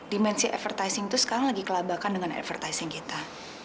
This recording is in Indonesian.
dimensi advertising itu sekarang lagi kelabakan dengan advertising kita